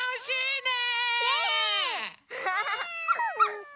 ねえ。